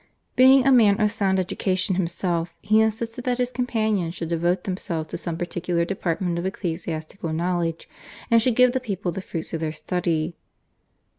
Being a man of sound education himself he insisted that his companions should devote themselves to some particular department of ecclesiastical knowledge, and should give the people the fruits of their study.